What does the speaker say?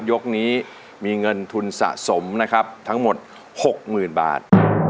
ยกนี้มีเงินทุนสะสมนะครับทั้งหมด๖๐๐๐บาท